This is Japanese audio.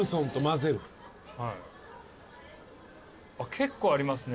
結構ありますね。